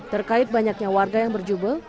terkait banyaknya warga yang berjubel